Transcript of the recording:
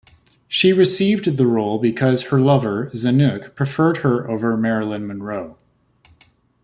She received the role because her lover, Zanuck, preferred her over Marilyn Monroe.